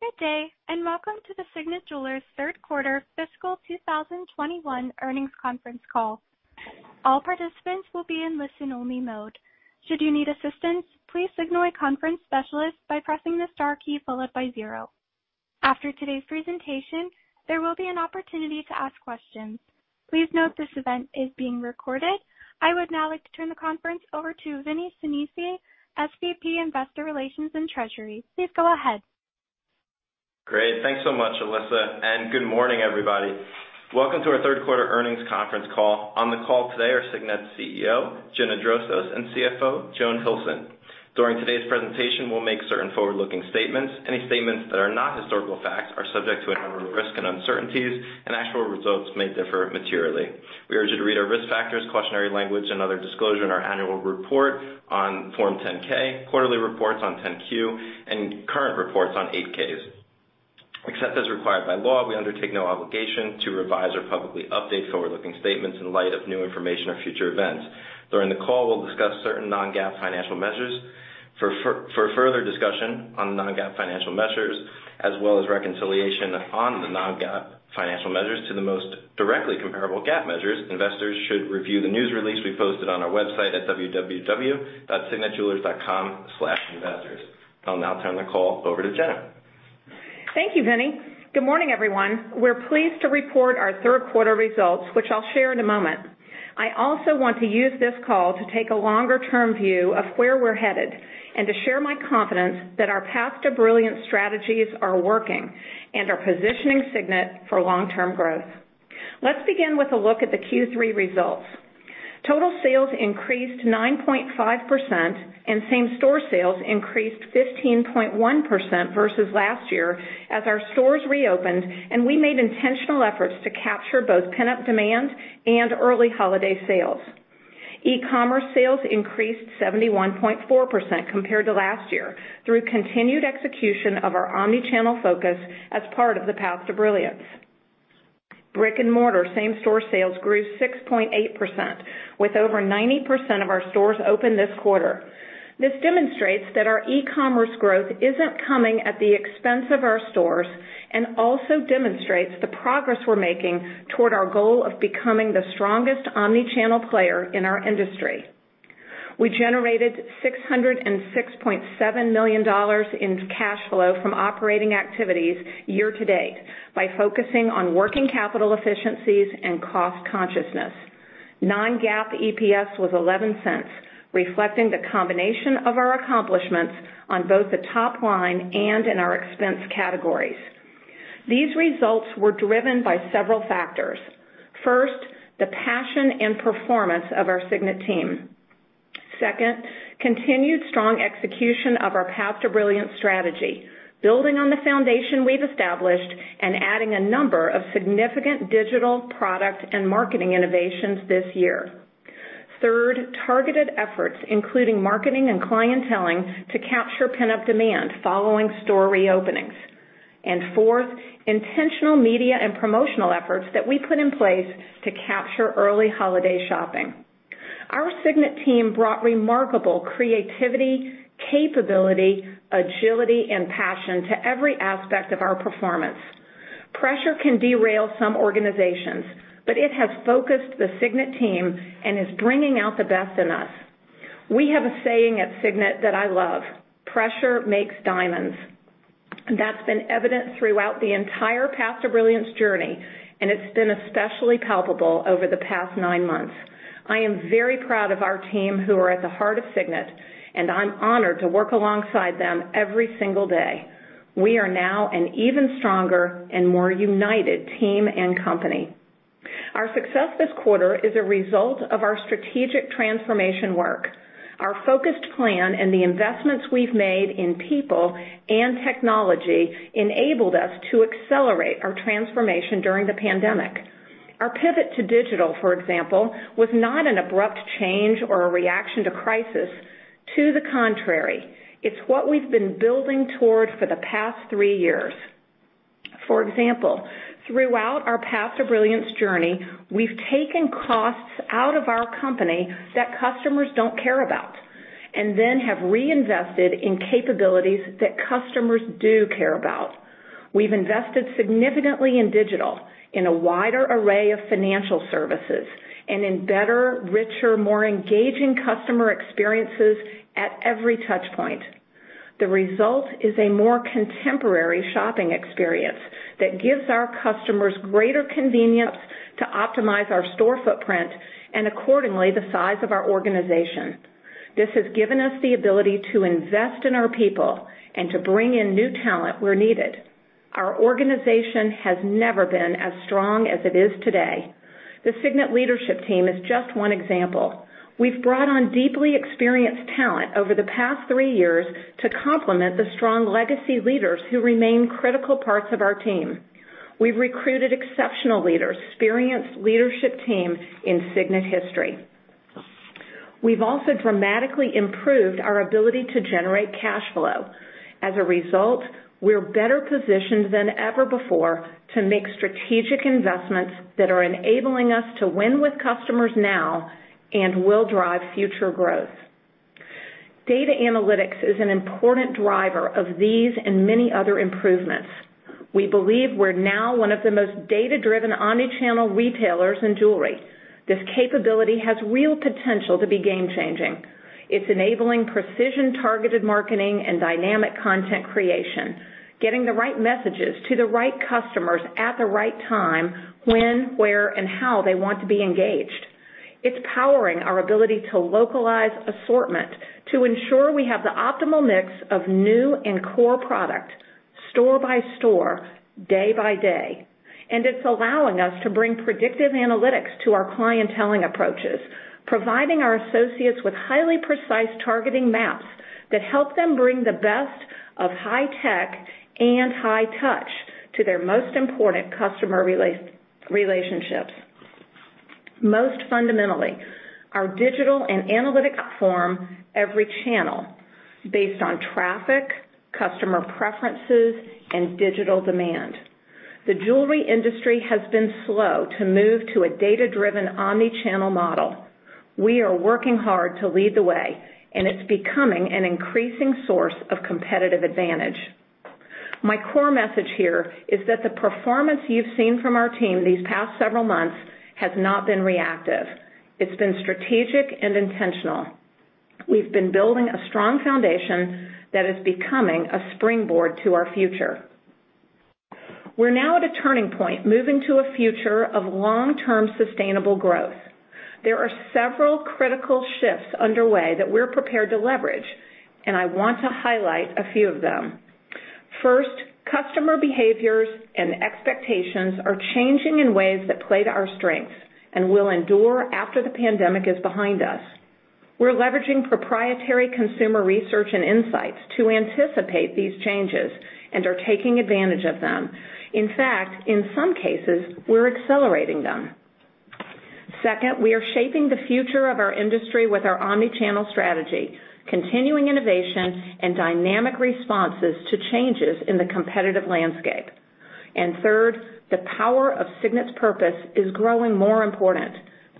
Good day. Welcome to the Signet Jewelers third-quarter fiscal 2021 earnings conference call. All participants will be in listen-only mode. Should you need assistance, please signal a conference specialist by pressing the star key followed by zero. After today's presentation, there will be an opportunity to ask questions. Please note this event is being recorded. I would now like to turn the conference over to Vinnie Sinisi, SVP, Investor Relations and Treasury. Please go ahead. Great. Thanks so much, Elissa. Good morning, everybody. Welcome to our third-quarter earnings conference call. On the call today are Signet's CEO, Gina Drosos, and CFO, Joan Hilson. During today's presentation, we'll make certain forward-looking statements. Any statements that are not historical facts are subject to a number of risks and uncertainties. Actual results may differ materially. We urge you to read our risk factors, cautionary language, and other disclosure in our annual report on Form 10-K, quarterly reports on Form 10-Q, and current reports on Form 8-Ks. Except as required by law, we undertake no obligation to revise or publicly update forward-looking statements in light of new information or future events. During the call, we'll discuss certain non-GAAP financial measures. For further discussion on non-GAAP financial measures, as well as reconciliation on the non-GAAP financial measures to the most directly comparable GAAP measures, investors should review the news release we posted on our website at www.signetjewelers.com/investors. I'll now turn the call over to Gina. Thank you, Vinnie. Good morning, everyone. We are pleased to report our third-quarter results, which I will share in a moment. I also want to use this call to take a longer-term view of where we are headed and to share my confidence that our Path to Brilliance strategies are working and are positioning Signet for long-term growth. Let's begin with a look at the Q3 results. Total sales increased 9.5%, same-store sales increased 15.1% versus last year as our stores reopened and we made intentional efforts to capture both pent-up demand and early holiday sales. E-commerce sales increased 71.4% compared to last year through continued execution of our omnichannel focus as part of the Path to Brilliance. Brick and mortar same-store sales grew 6.8% with over 90% of our stores open this quarter. This demonstrates that our e-commerce growth isn't coming at the expense of our stores and also demonstrates the progress we're making toward our goal of becoming the strongest omnichannel player in our industry. We generated $606.7 million in cash flow from operating activities year to date by focusing on working capital efficiencies and cost consciousness. Non-GAAP EPS was $0.11, reflecting the combination of our accomplishments on both the top line and in our expense categories. These results were driven by several factors. First, the passion and performance of our Signet team. Second, continued strong execution of our Path to Brilliance strategy, building on the foundation we've established and adding a number of significant digital product and marketing innovations this year. Third, targeted efforts, including marketing and clienteling, to capture pent-up demand following store reopenings. Fourth, intentional media and promotional efforts that we put in place to capture early holiday shopping. Our Signet team brought remarkable creativity, capability, agility, and passion to every aspect of our performance. Pressure can derail some organizations, but it has focused the Signet team and is bringing out the best in us. We have a saying at Signet that I love, "Pressure makes diamonds." That's been evident throughout the entire Path to Brilliance journey, and it's been especially palpable over the past nine months. I am very proud of our team, who are at the heart of Signet, and I'm honored to work alongside them every single day. We are now an even stronger and more united team and company. Our success this quarter is a result of our strategic transformation work. Our focused plan and the investments we've made in people and technology enabled us to accelerate our transformation during the pandemic. Our pivot to digital, for example, was not an abrupt change or a reaction to crisis. To the contrary, it's what we've been building toward for the past three years. For example, throughout our Path to Brilliance journey, we've taken costs out of our company that customers don't care about and then have reinvested in capabilities that customers do care about. We've invested significantly in digital, in a wider array of financial services, and in better, richer, more engaging customer experiences at every touch point. The result is a more contemporary shopping experience that gives our customers greater convenience to optimize our store footprint and, accordingly, the size of our organization. This has given us the ability to invest in our people and to bring in new talent where needed. Our organization has never been as strong as it is today. The Signet leadership team is just one example. We've brought on deeply experienced talent over the past three years to complement the strong legacy leaders who remain critical parts of our team. We've recruited exceptional leaders, experienced leadership team in Signet history. We've also dramatically improved our ability to generate cash flow. As a result, we're better positioned than ever before to make strategic investments that are enabling us to win with customers now and will drive future growth. Data analytics is an important driver of these and many other improvements. We believe we're now one of the most data-driven omnichannel retailers in jewelry. This capability has real potential to be game-changing. It's enabling precision-targeted marketing and dynamic content creation, getting the right messages to the right customers at the right time, when, where, and how they want to be engaged. It's powering our ability to localize assortment to ensure we have the optimal mix of new and core product, store-by-store, day-by-day. It's allowing us to bring predictive analytics to our clienteling approaches, providing our associates with highly precise targeting maps that help them bring the best of high-tech and high-touch to their most important customer relationships. Most fundamentally, our digital and analytics form every channel based on traffic, customer preferences, and digital demand. The jewelry industry has been slow to move to a data-driven omnichannel model. We are working hard to lead the way, and it's becoming an increasing source of competitive advantage. My core message here is that the performance you've seen from our team these past several months has not been reactive. It's been strategic and intentional. We've been building a strong foundation that is becoming a springboard to our future. We're now at a turning point, moving to a future of long-term sustainable growth. There are several critical shifts underway that we're prepared to leverage, and I want to highlight a few of them. First, customer behaviors and expectations are changing in ways that play to our strengths and will endure after the pandemic is behind us. We're leveraging proprietary consumer research and insights to anticipate these changes and are taking advantage of them. In fact, in some cases, we're accelerating them. Second, we are shaping the future of our industry with our omnichannel strategy, continuing innovation, and dynamic responses to changes in the competitive landscape. Third, the power of Signet's purpose is growing more important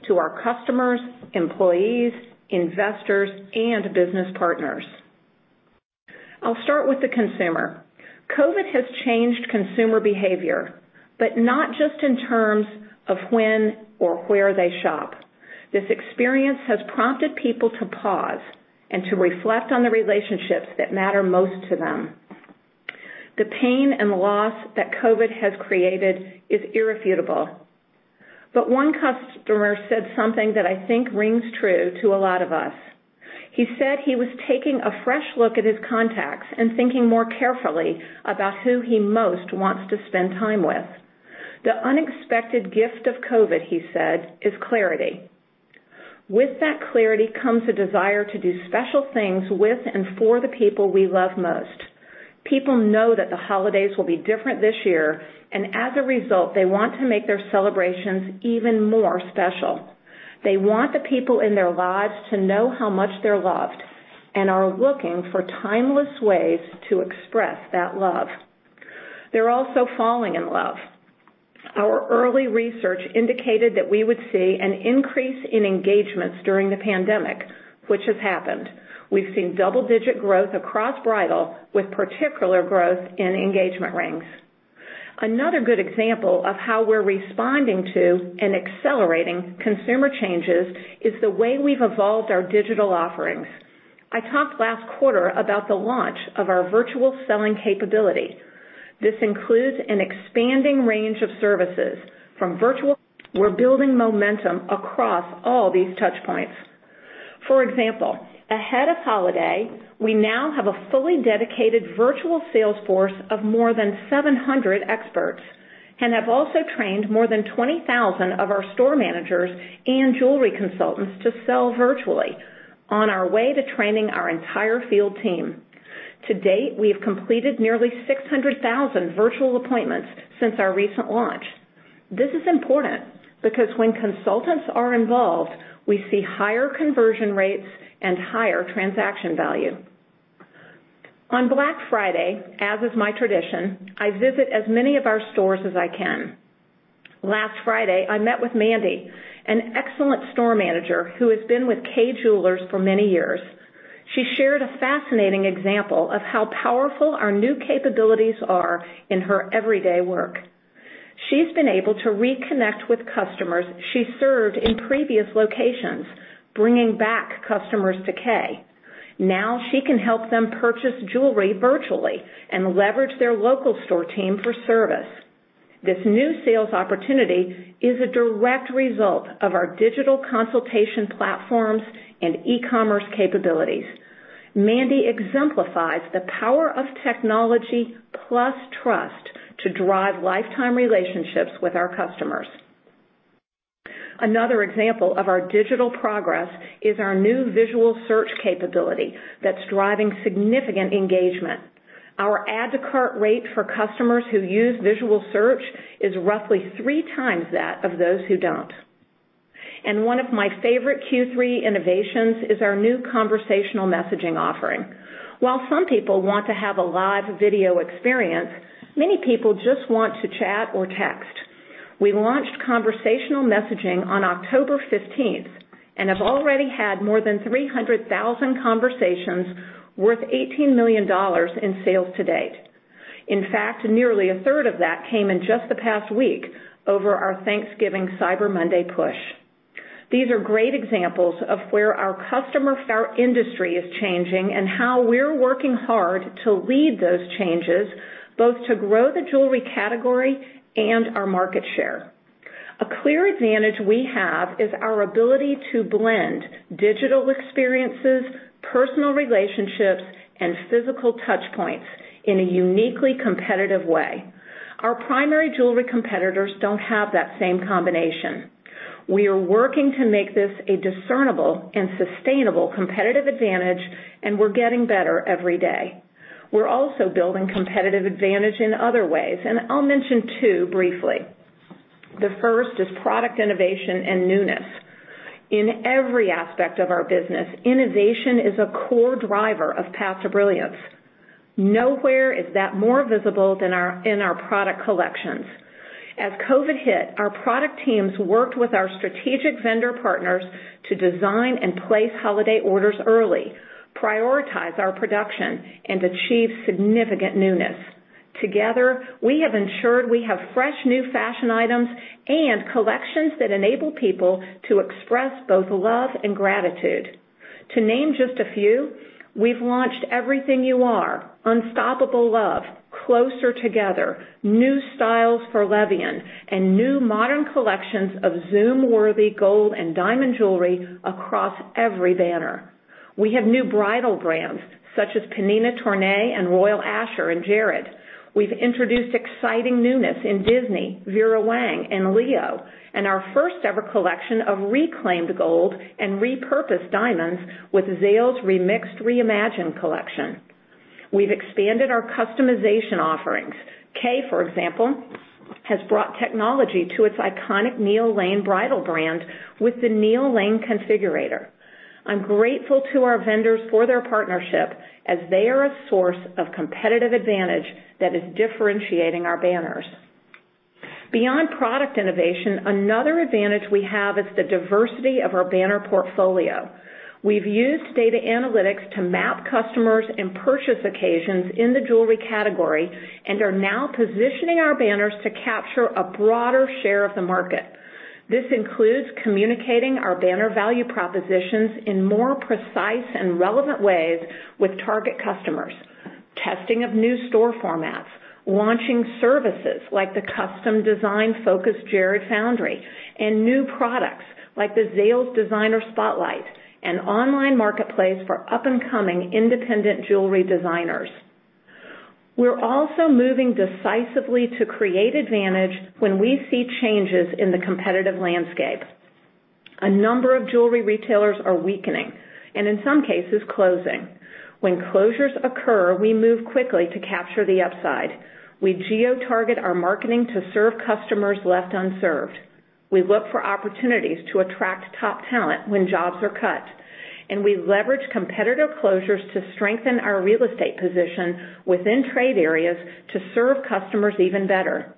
to our customers, employees, investors, and business partners. I'll start with the consumer. COVID has changed consumer behavior, but not just in terms of when or where they shop. This experience has prompted people to pause and to reflect on the relationships that matter most to them. The pain and loss that COVID has created is irrefutable. One customer said something that I think rings true to a lot of us. He said he was taking a fresh look at his contacts and thinking more carefully about who he most wants to spend time with. The unexpected gift of COVID, he said, is clarity. With that clarity comes a desire to do special things with and for the people we love most. People know that the holidays will be different this year, and as a result, they want to make their celebrations even more special. They want the people in their lives to know how much they're loved and are looking for timeless ways to express that love. They're also falling in love. Our early research indicated that we would see an increase in engagements during the pandemic, which has happened. We've seen double-digit growth across bridal, with particular growth in engagement rings. Another good example of how we're responding to and accelerating consumer changes is the way we've evolved our digital offerings. I talked last quarter about the launch of our virtual selling capability. This includes an expanding range of services from virtual. We're building momentum across all these touch points. For example, ahead of holiday, we now have a fully dedicated virtual sales force of more than 700 experts, and have also trained more than 20,000 of our store managers and jewelry consultants to sell virtually, on our way to training our entire field team. To date, we have completed nearly 600,000 virtual appointments since our recent launch. This is important because when consultants are involved, we see higher conversion rates and higher transaction value. On Black Friday, as is my tradition, I visit as many of our stores as I can. Last Friday, I met with Mandy, an excellent store manager who has been with Kay Jewelers for many years. She shared a fascinating example of how powerful our new capabilities are in her everyday work. She's been able to reconnect with customers she served in previous locations, bringing back customers to Kay. Now she can help them purchase jewelry virtually and leverage their local store team for service. This new sales opportunity is a direct result of our digital consultation platforms and e-commerce capabilities. Mandy exemplifies the power of technology plus trust to drive lifetime relationships with our customers. Another example of our digital progress is our new visual search capability that is driving significant engagement. Our add-to-cart rate for customers who use visual search is roughly three times that of those who do not. One of my favorite Q3 innovations is our new conversational messaging offering. While some people want to have a live video experience, many people just want to chat or text. We launched conversational messaging on October 15th and have already had more than 300,000 conversations worth $18 million in sales to date. In fact, nearly a third of that came in just the past week over our Thanksgiving Cyber Monday push. These are great examples of where our customer industry is changing and how we're working hard to lead those changes, both to grow the jewelry category and our market share. A clear advantage we have is our ability to blend digital experiences, personal relationships, and physical touchpoints in a uniquely competitive way. Our primary jewelry competitors don't have that same combination. We are working to make this a discernible and sustainable competitive advantage, and we're getting better every day. We're also building competitive advantage in other ways, and I'll mention two briefly. The first is product innovation and newness. In every aspect of our business, innovation is a core driver of Path to Brilliance. Nowhere is that more visible than in our product collections. As COVID hit, our product teams worked with our strategic vendor partners to design and place holiday orders early, prioritize our production, and achieve significant newness. Together, we have ensured we have fresh new fashion items and collections that enable people to express both love and gratitude. To name just a few, we've launched Everything You Are, Unstoppable Love, Closer Together, new styles for Le Vian, and new modern collections of Zoom-worthy gold and diamond jewelry across every banner. We have new bridal brands such as Pnina Tornai, and Royal Asscher, and Jared. We've introduced exciting newness in Disney, Vera Wang, and Leo, and our first-ever collection of reclaimed gold and repurposed diamonds with Zales Remixed Reimagined collection. We've expanded our customization offerings. Kay, for example, has brought technology to its iconic Neil Lane bridal brand with the Neil Lane Configurator. I'm grateful to our vendors for their partnership, as they are a source of competitive advantage that is differentiating our banners. Beyond product innovation, another advantage we have is the diversity of our banner portfolio. We've used data analytics to map customers and purchase occasions in the jewelry category and are now positioning our banners to capture a broader share of the market. This includes communicating our banner value propositions in more precise and relevant ways with target customers, testing of new store formats, launching services like the custom design-focused Jared Foundry, and new products like the Zales Designer Spotlight, an online marketplace for up-and-coming independent jewelry designers. We're also moving decisively to create advantage when we see changes in the competitive landscape. A number of jewelry retailers are weakening and, in some cases, closing. When closures occur, we move quickly to capture the upside. We geo-target our marketing to serve customers left unserved. We look for opportunities to attract top talent when jobs are cut, and we leverage competitive closures to strengthen our real estate position within trade areas to serve customers even better.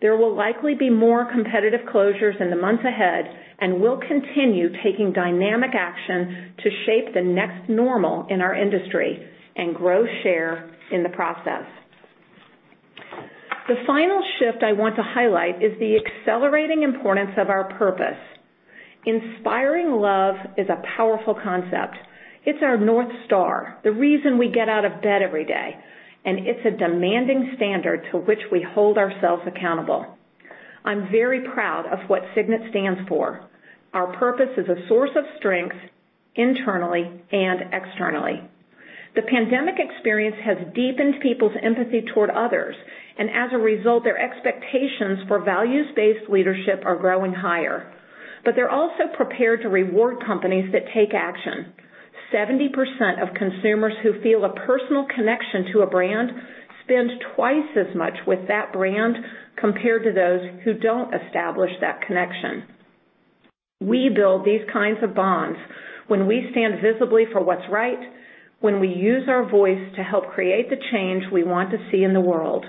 There will likely be more competitive closures in the months ahead, and we'll continue taking dynamic action to shape the next normal in our industry and grow share in the process. The final shift I want to highlight is the accelerating importance of our purpose. Inspiring love is a powerful concept. It's our North Star, the reason we get out of bed every day, and it's a demanding standard to which we hold ourselves accountable. I'm very proud of what Signet stands for. Our purpose is a source of strength internally and externally. The pandemic experience has deepened people's empathy toward others, and as a result, their expectations for values-based leadership are growing higher. They're also prepared to reward companies that take action. 70% of consumers who feel a personal connection to a brand spend twice as much with that brand compared to those who don't establish that connection. We build these kinds of bonds when we stand visibly for what's right, when we use our voice to help create the change we want to see in the world.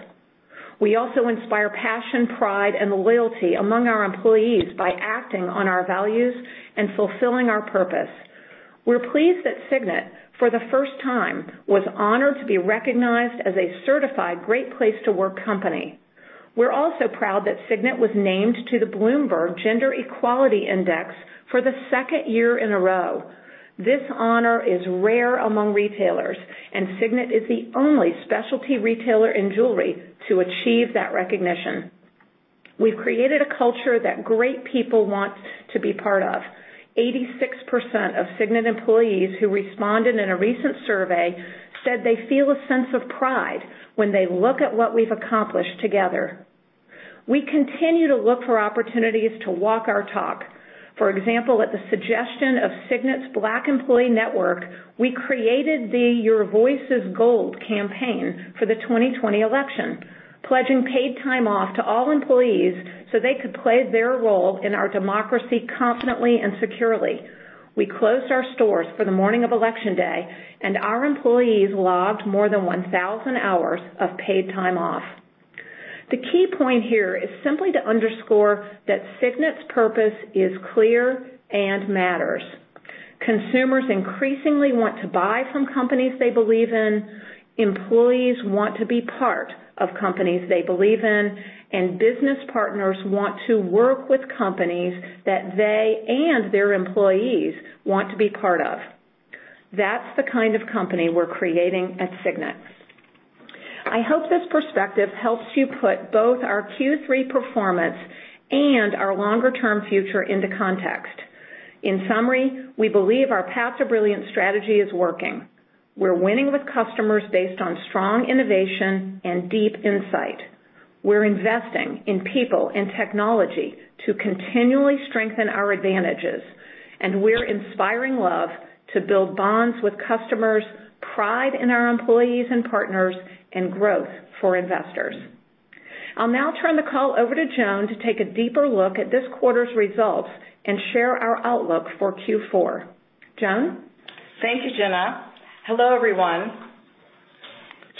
We also inspire passion, pride, and loyalty among our employees by acting on our values and fulfilling our purpose. We're pleased that Signet, for the first time, was honored to be recognized as a certified Great Place to Work company. We're also proud that Signet was named to the Bloomberg Gender-Equality Index for the second year in a row. This honor is rare among retailers, and Signet is the only specialty retailer in jewelry to achieve that recognition. We've created a culture that great people want to be part of. 86% of Signet employees who responded in a recent survey said they feel a sense of pride when they look at what we've accomplished together. We continue to look for opportunities to walk our talk. For example, at the suggestion of Signet's Black Employee Network, we created the Your Voice is Gold campaign for the 2020 election, pledging paid time off to all employees so they could play their role in our democracy confidently and securely. We closed our stores for the morning of Election Day, and our employees logged more than 1,000 hours of paid time off. The key point here is simply to underscore that Signet's purpose is clear and matters. Consumers increasingly want to buy from companies they believe in, employees want to be part of companies they believe in. Business partners want to work with companies that they and their employees want to be part of. That's the kind of company we're creating at Signet. I hope this perspective helps you put both our Q3 performance and our longer-term future into context. In summary, we believe our Path to Brilliance strategy is working. We're winning with customers based on strong innovation and deep insight. We're inspiring love to build bonds with customers, pride in our employees and partners, and growth for investors. I'll now turn the call over to Joan to take a deeper look at this quarter's results and share our outlook for Q4. Joan? Thank you, Gina. Hello, everyone.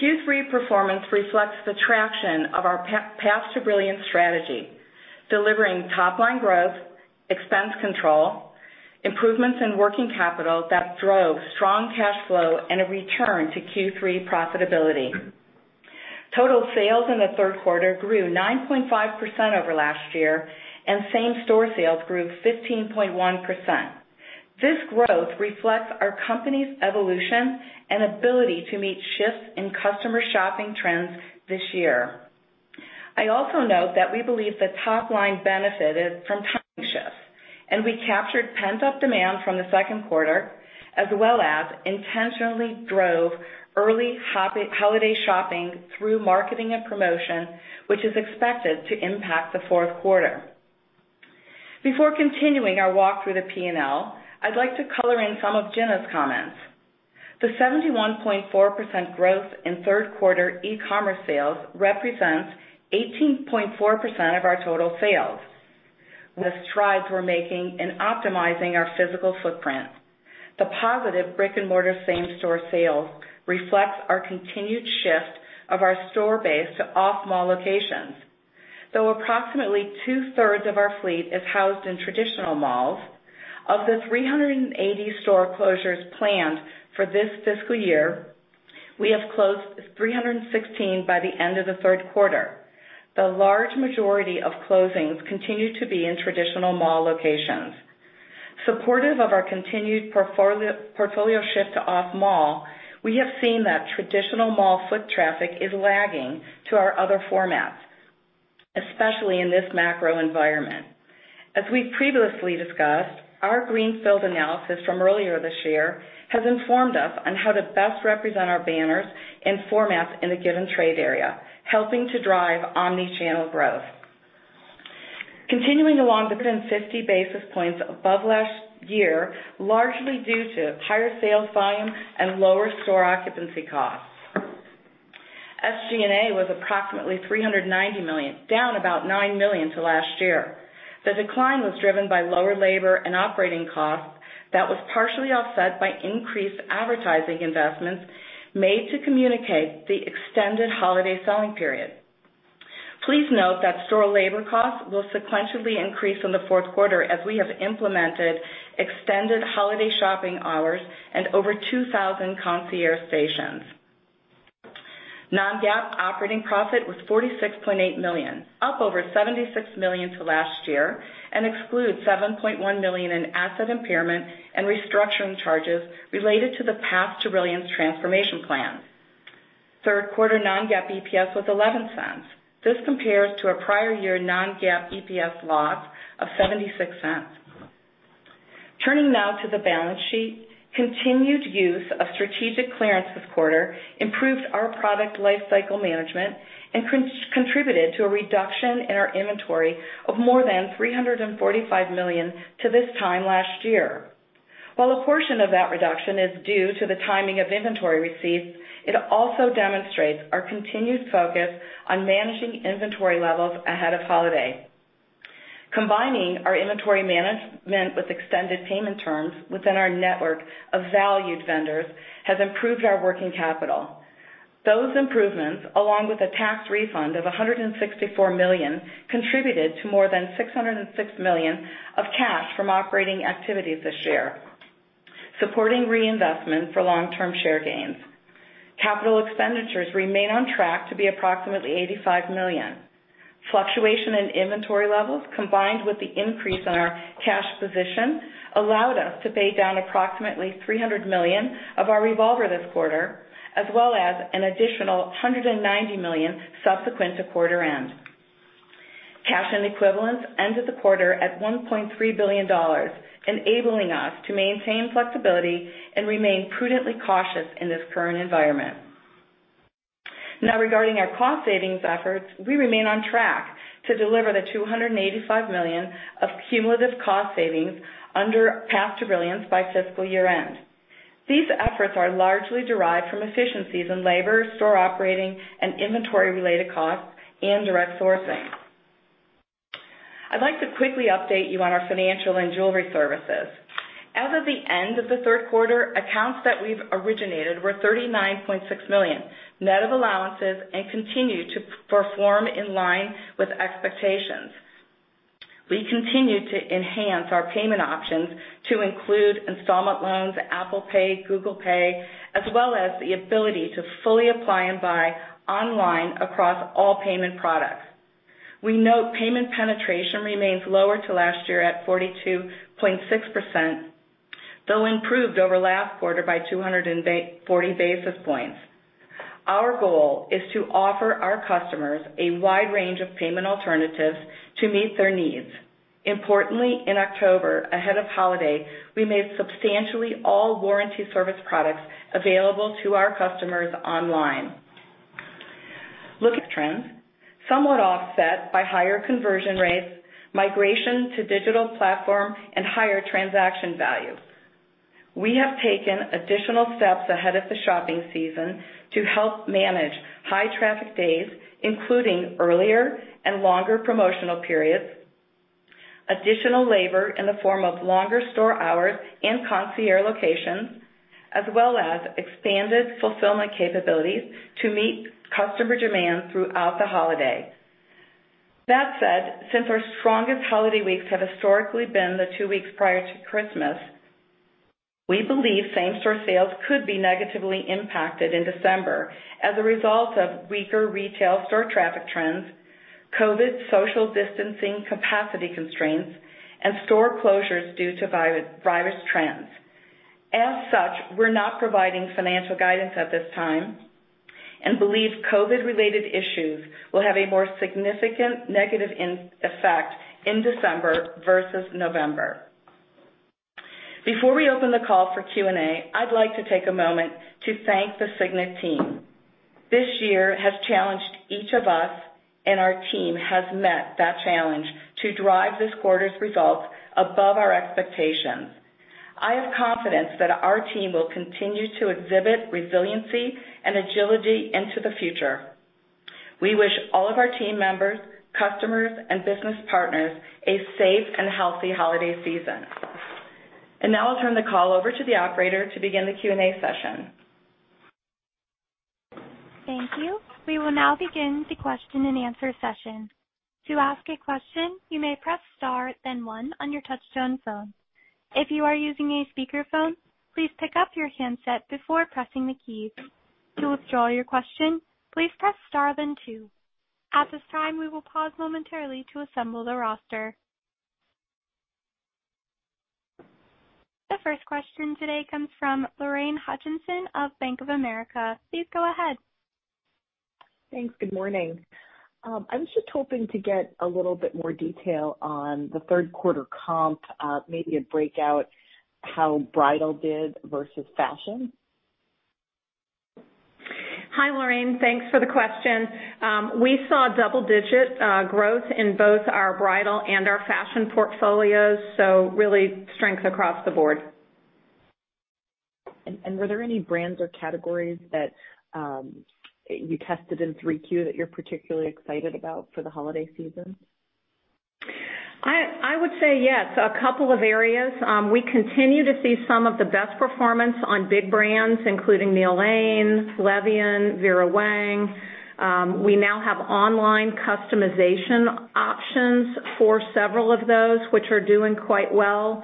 Q3 performance reflects the traction of our Path to Brilliance strategy, delivering top-line growth, expense control, improvements in working capital that drove strong cash flow, and a return to Q3 profitability. Total sales in the third quarter grew 9.5% over last year, and same-store sales grew 15.1%. This growth reflects our company's evolution and ability to meet shifts in customer shopping trends this year. I also note that we believe the top line benefited from timing shifts, and we captured pent-up demand from the second quarter, as well as intentionally drove early holiday shopping through marketing and promotion, which is expected to impact the fourth quarter. Before continuing our walk through the P&L, I'd like to color in some of Gina's comments. The 71.4% growth in third-quarter e-commerce sales represents 18.4% of our total sales. With strides we're making in optimizing our physical footprint, the positive brick-and-mortar same-store sales reflects our continued shift of our store base to off-mall locations. Though approximately two-thirds of our fleet is housed in traditional malls, of the 380 store closures planned for this fiscal year, we have closed 316 by the end of the third quarter. The large majority of closings continue to be in traditional mall locations. Supportive of our continued portfolio shift to off-mall, we have seen that traditional mall foot traffic is lagging to our other formats, especially in this macro environment. As we've previously discussed, our greenfield analysis from earlier this year has informed us on how to best represent our banners and formats in a given trade area, helping to drive omnichannel growth. 50 basis points above last year, largely due to higher sales volume and lower store occupancy costs. SG&A was approximately $390 million, down about $9 million to last year. The decline was driven by lower labor and operating costs, that was partially offset by increased advertising investments made to communicate the extended holiday selling period. Please note that store labor costs will sequentially increase in the fourth quarter as we have implemented extended holiday shopping hours and over 2,000 concierge stations. Non-GAAP operating profit was $46.8 million, up over $76 million to last year, and excludes $7.1 million in asset impairment and restructuring charges related to the Path to Brilliance transformation plan. Third quarter non-GAAP EPS was $0.11. This compares to our prior year non-GAAP EPS loss of $0.76. Turning now to the balance sheet, continued use of strategic clearance this quarter improved our product lifecycle management and contributed to a reduction in our inventory of more than $345 million to this time last year. While a portion of that reduction is due to the timing of inventory receipts, it also demonstrates our continued focus on managing inventory levels ahead of holiday. Combining our inventory management with extended payment terms within our network of valued vendors has improved our working capital. Those improvements, along with a tax refund of $164 million, contributed to more than $606 million of cash from operating activities this year, supporting reinvestment for long-term share gains. Capital expenditures remain on track to be approximately $85 million. Fluctuation in inventory levels, combined with the increase in our cash position, allowed us to pay down approximately $300 million of our revolver this quarter, as well as an additional $190 million subsequent to quarter-end. Cash and equivalents ended the quarter at $1.3 billion, enabling us to maintain flexibility and remain prudently cautious in this current environment. Regarding our cost savings efforts, we remain on track to deliver the $285 million of cumulative cost savings under Path to Brilliance by fiscal year-end. These efforts are largely derived from efficiencies in labor, store operating, and inventory-related costs, and direct sourcing. I'd like to quickly update you on our financial and jewelry services. As of the end of the third quarter, accounts that we've originated were $39.6 million, net of allowances, and continue to perform in line with expectations. We continue to enhance our payment options to include installment loans, Apple Pay, Google Pay, as well as the ability to fully apply and buy online across all payment products. We note payment penetration remains lower to last year at 42.6%, though improved over last quarter by 240 basis points. Our goal is to offer our customers a wide range of payment alternatives to meet their needs. Importantly, in October, ahead of holiday, we made substantially all warranty service products available to our customers online. Looking at trends, somewhat offset by higher conversion rates, migration to digital platform, and higher transaction value. We have taken additional steps ahead of the shopping season to help manage high traffic days, including earlier and longer promotional periods, additional labor in the form of longer store hours and concierge locations, as well as expanded fulfillment capabilities to meet customer demand throughout the holiday. That said, since our strongest holiday weeks have historically been the two weeks prior to Christmas, we believe same-store sales could be negatively impacted in December as a result of weaker retail store traffic trends, COVID social distancing capacity constraints, and store closures due to virus trends. As such, we're not providing financial guidance at this time and believe COVID-related issues will have a more significant negative effect in December versus November. Before we open the call for Q&A, I'd like to take a moment to thank the Signet team. This year has challenged each of us. Our team has met that challenge to drive this quarter's results above our expectations. I have confidence that our team will continue to exhibit resiliency and agility into the future. We wish all of our team members, customers, and business partners a safe and healthy holiday season. Now I'll turn the call over to the operator to begin the Q&A session. Thank you. We will now begin the question-and-answer session. To ask a question, you may press star then one on your touch-tone phone. If you are using a speakerphone, please pick up your handset before pressing the key. To withdraw your question, please press star then two. At this time, we will pause momentarily to assemble the roster. The first question today comes from Lorraine Hutchinson of Bank of America. Please go ahead. Thanks. Good morning. I was just hoping to get a little bit more detail on the third quarter comp, maybe a breakout how bridal did versus fashion. Hi, Lorraine. Thanks for the question. We saw double-digit growth in both our bridal and our fashion portfolios, really strength across the board. Were there any brands or categories that you tested in Q3 that you're particularly excited about for the holiday season? I would say yes. A couple of areas. We continue to see some of the best performance on big brands, including Neil Lane, Le Vian, Vera Wang. We now have online customization options for several of those, which are doing quite well.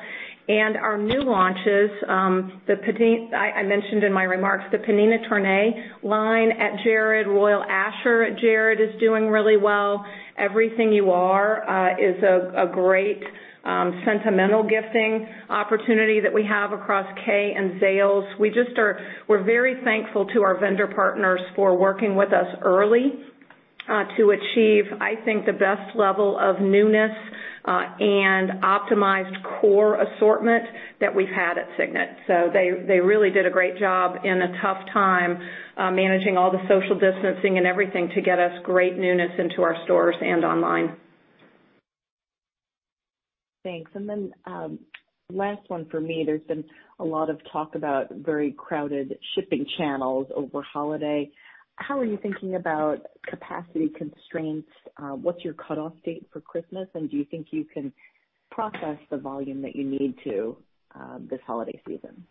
Our new launches, I mentioned in my remarks, the Pnina Tornai line at Jared, Royal Asscher at Jared, is doing really well. Everything You Are is a great sentimental gifting opportunity that we have across Kay and Zales. We're very thankful to our vendor partners for working with us early to achieve, I think, the best level of newness and optimized core assortment that we've had at Signet. They really did a great job in a tough time managing all the social distancing and everything to get us great newness into our stores and online. Thanks. Last one for me. There's been a lot of talk about very crowded shipping channels over holiday. How are you thinking about capacity constraints? What's your cutoff date for Christmas? Do you think you can process the volume that you need to this holiday season?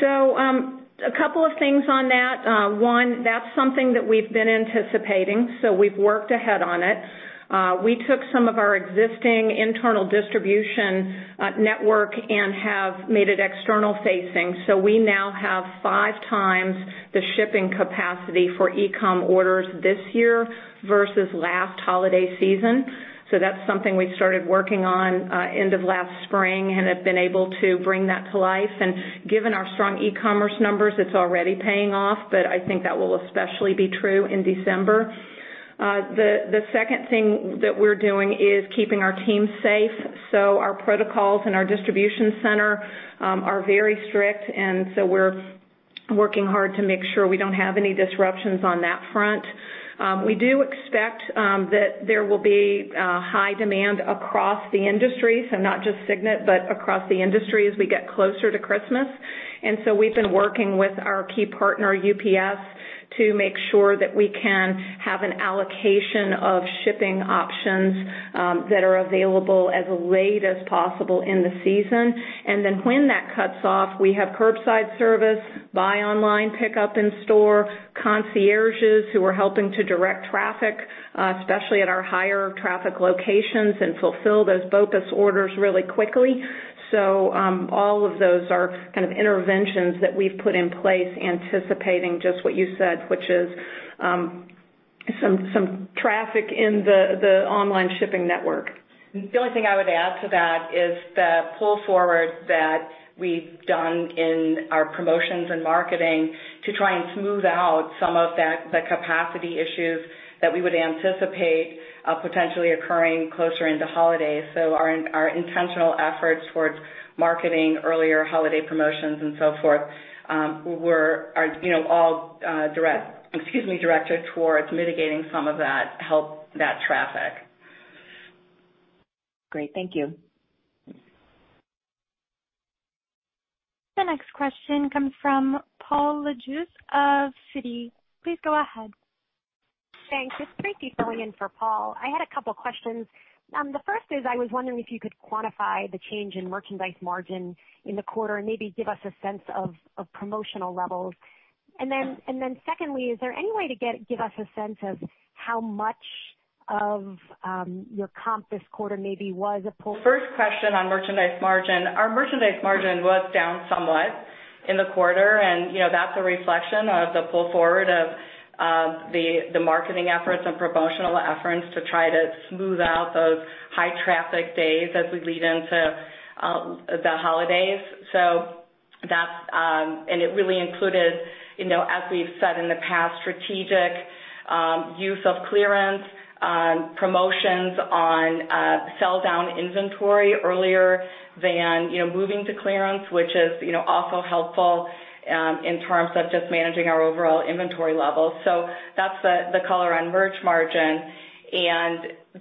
A couple of things on that. One, that's something that we've been anticipating, so we've worked ahead on it. We took some of our existing internal distribution network and have made it external-facing. We now have 5x the shipping capacity for e-commerce orders this year versus last holiday season. That's something we started working on end of last spring and have been able to bring that to life. Given our strong e-commerce numbers, it's already paying off, but I think that will especially be true in December. The second thing that we're doing is keeping our team safe. Our protocols in our distribution center are very strict, and so we're working hard to make sure we don't have any disruptions on that front. We do expect that there will be high demand across the industry, so not just Signet, but across the industry as we get closer to Christmas. We've been working with our key partner, UPS. To make sure that we can have an allocation of shipping options that are available as late as possible in the season. When that cuts off, we have curbside service, buy online, pickup in store, concierges who are helping to direct traffic, especially at our higher traffic locations, and fulfill those BOPUS orders really quickly. All of those are interventions that we've put in place, anticipating just what you said, which is some traffic in the online shipping network. The only thing I would add to that is the pull forward that we've done in our promotions and marketing to try and smooth out some of the capacity issues that we would anticipate potentially occurring closer into holidays. Our intentional efforts towards marketing earlier holiday promotions and so forth were all directed towards mitigating some of that, help that traffic. Great. Thank you. The next question comes from Paul Lejuez of Citi. Please go ahead. Thanks. It's Tracy filling in for Paul. I had a couple questions. The first is, I was wondering if you could quantify the change in merchandise margin in the quarter and maybe give us a sense of promotional levels. Secondly, is there any way to give us a sense of how much of your comp this quarter maybe was. First question on merchandise margin. Our merchandise margin was down somewhat in the quarter. That's a reflection of the pull forward of the marketing efforts and promotional efforts to try to smooth out those high traffic days as we lead into the holidays. It really included, as we've said in the past, strategic use of clearance, promotions on sell-down inventory earlier than moving to clearance, which is also helpful in terms of just managing our overall inventory levels. That's the color on merch margin.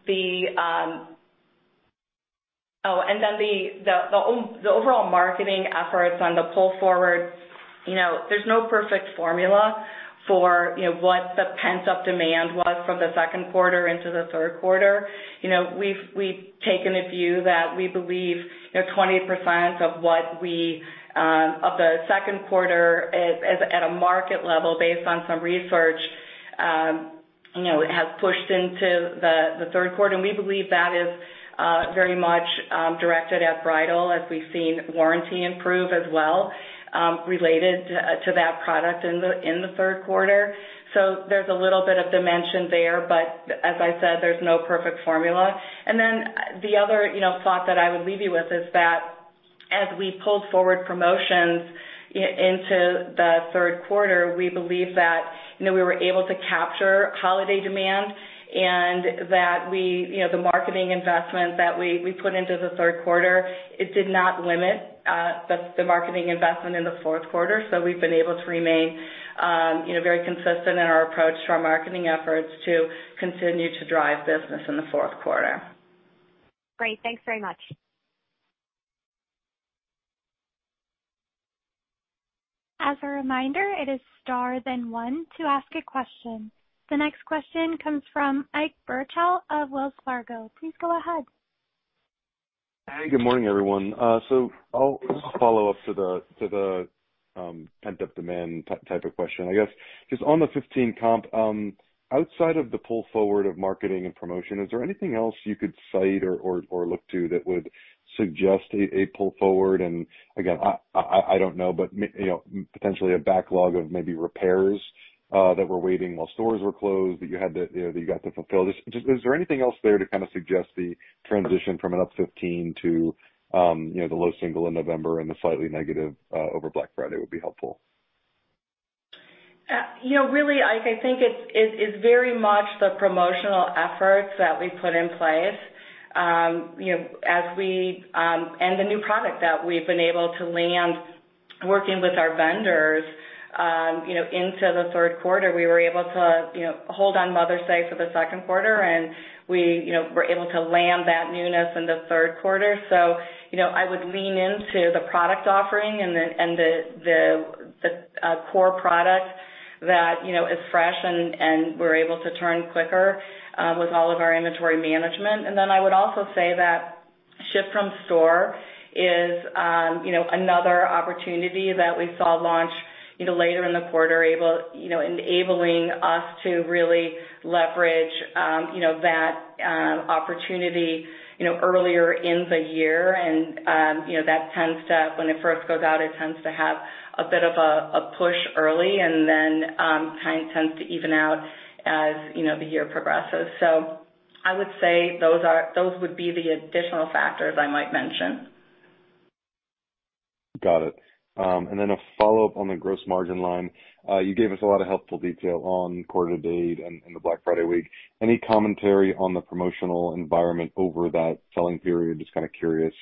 The overall marketing efforts on the pull forward, there's no perfect formula for what the pent-up demand was from the second quarter into the third quarter. We've taken a view that we believe 20% of the second quarter at a market level, based on some research, has pushed into the third quarter, and we believe that is very much directed at bridal, as we've seen warranty improve as well related to that product in the third quarter. There's a little bit of dimension there, but as I said, there's no perfect formula. The other thought that I would leave you with is that as we pulled forward promotions into the third quarter, we believe that we were able to capture holiday demand, and that the marketing investment that we put into the third quarter, it did not limit the marketing investment in the fourth quarter. We've been able to remain very consistent in our approach to our marketing efforts to continue to drive business in the fourth quarter. Great. Thanks very much. As a reminder, it is star then one to ask a question. The next question comes from Ike Boruchow of Wells Fargo. Please go ahead. Hey, good morning, everyone. I'll just follow up to the pent-up demand type of question, I guess. Just on the 15 comp, outside of the pull forward of marketing and promotion, is there anything else you could cite or look to that would suggest a pull forward, and again, I don't know, but potentially a backlog of maybe repairs that were waiting while stores were closed that you got to fulfill. Is there anything else there to suggest the transition from an up 15 to the low single in November and the slightly negative over Black Friday would be helpful. Really, Ike, I think it's very much the promotional efforts that we put in place and the new product that we've been able to land, working with our vendors into the third quarter. We were able to hold on Mother's Day for the second quarter. We were able to land that newness in the third quarter. I would lean into the product offering and the core product that is fresh, and we're able to turn quicker with all of our inventory management. I would also say that ship from store is another opportunity that we saw launch later in the quarter, enabling us to really leverage that opportunity earlier in the year. When it first goes out, it tends to have a bit of a push early and then kind of tends to even out as the year progresses. I would say those would be the additional factors I might mention. Got it. A follow-up on the gross margin line. You gave us a lot of helpful detail on quarter-to-date and the Black Friday week. Any commentary on the promotional environment over that selling period? Just kind of curious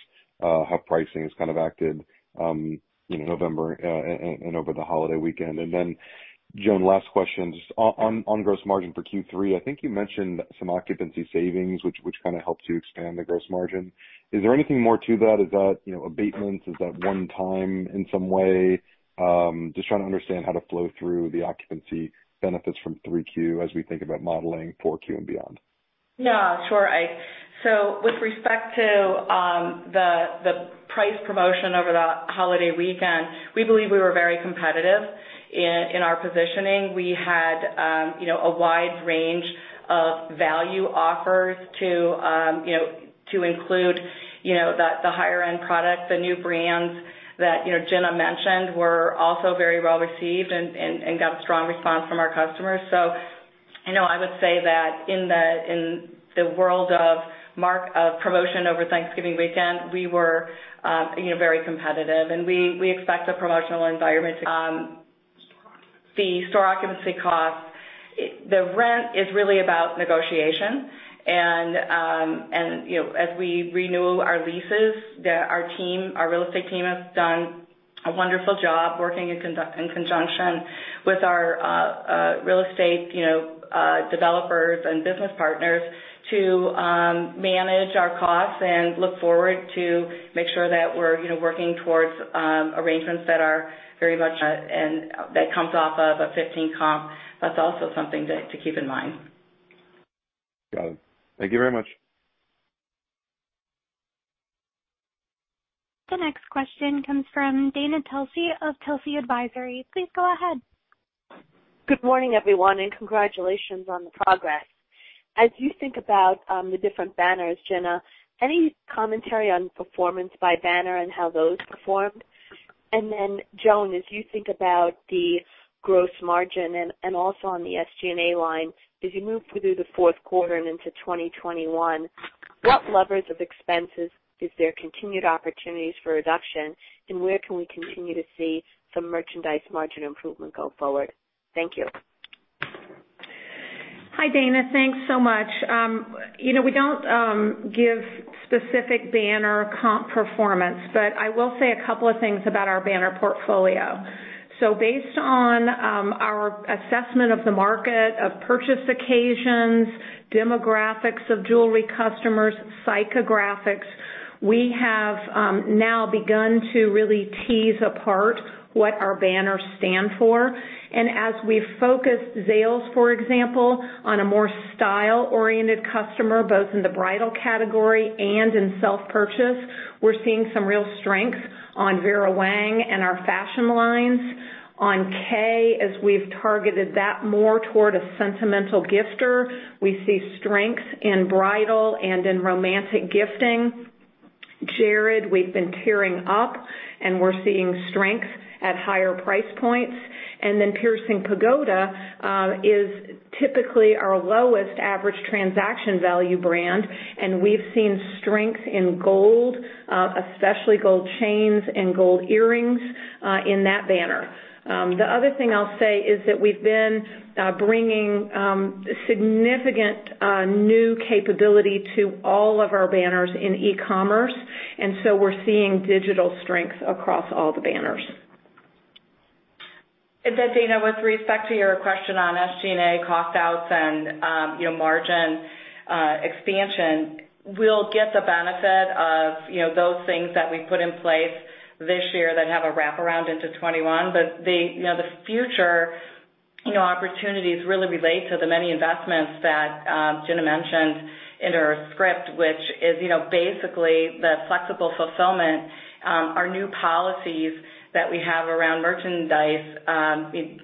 how pricing has acted in November and over the holiday weekend. Joan, last question, just on gross margin for Q3, I think you mentioned some occupancy savings, which helped you expand the gross margin. Is there anything more to that? Is that abatements? Is that one time in some way? Just trying to understand how to flow through the occupancy benefits from Q3 as we think about modeling Q4 and beyond. Yeah, sure, Ike. With respect to the price promotion over the holiday weekend, we believe we were very competitive in our positioning. We had a wide range of value offers to include the higher-end product. The new brands that Gina mentioned were also very well-received and got a strong response from our customers. I would say that in the world of promotion over Thanksgiving weekend, we were very competitive, and we expect a promotional environment. The store occupancy cost, the rent is really about negotiation, and as we renew our leases, our real estate team has done a wonderful job working in conjunction with our real estate developers and business partners to manage our costs and look forward to make sure that we're working towards arrangements that are very much, and that comes off of a 15 comp. That's also something to keep in mind. Got it. Thank you very much. The next question comes from Dana Telsey of Telsey Advisory. Please go ahead. Good morning, everyone, and congratulations on the progress. As you think about the different banners, Gina, any commentary on performance by banner, and how those performed? Then Joan, as you think about the gross margin and also on the SGA line, as you move through the fourth quarter and into 2021, what levers of expenses is there continued opportunities for reduction, and where can we continue to see some merchandise margin improvement go forward? Thank you. Hi, Dana. Thanks so much. We don't give specific banner comp performance. I will say a couple of things about our banner portfolio. Based on our assessment of the market, of purchase occasions, demographics of jewelry customers, psychographics, we have now begun to really tease apart what our banners stand for. As we focus Zales, for example, on a more style-oriented customer, both in the bridal category and in self-purchase, we're seeing some real strength on Vera Wang and our fashion lines. On Kay, as we've targeted that more toward a sentimental gifter, we see strength in bridal and in romantic gifting. Jared, we've been tiering up, and we're seeing strength at higher price points. Piercing Pagoda is typically our lowest average transaction value brand, and we've seen strength in gold, especially gold chains and gold earrings, in that banner. The other thing I'll say is that we've been bringing significant new capability to all of our banners in e-commerce, and so we're seeing digital strength across all the banners. Dana, with respect to your question on SGA cost outs and margin expansion, we'll get the benefit of those things that we put in place this year that have a wraparound into 2021. The future opportunities really relate to the many investments that Gina mentioned in her script, which is basically the flexible fulfillment, our new policies that we have around merchandise,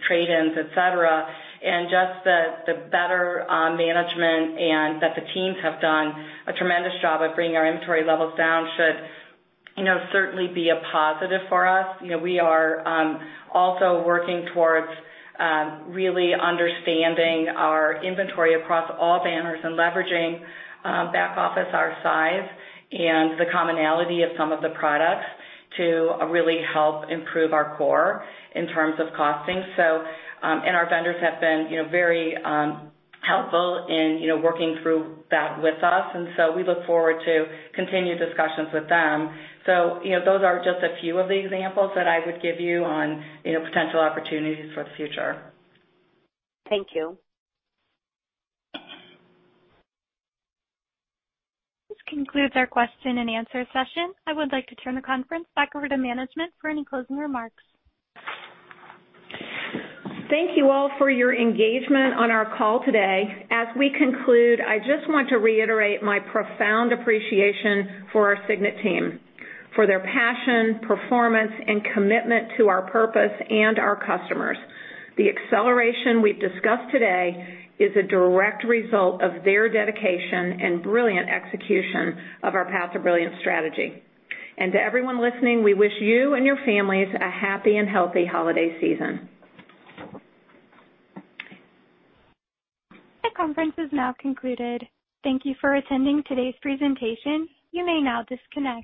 trade-ins, et cetera, and just the better management, and that the teams have done a tremendous job of bringing our inventory levels down, should certainly be a positive for us. We are also working towards really understanding our inventory across all banners and leveraging back office, our size, and the commonality of some of the products to really help improve our core in terms of costing. Our vendors have been very helpful in working through that with us, and so we look forward to continued discussions with them. Those are just a few of the examples that I would give you on potential opportunities for the future. Thank you. This concludes our question-and-answer session. I would like to turn the conference back over to management for any closing remarks. Thank you all for your engagement on our call today. As we conclude, I just want to reiterate my profound appreciation for our Signet team, for their passion, performance, and commitment to our purpose and our customers. The acceleration we've discussed today is a direct result of their dedication and brilliant execution of our Path to Brilliance strategy. To everyone listening, we wish you and your families a happy and healthy holiday season. The conference is now concluded. Thank you for attending today's presentation. You may now disconnect.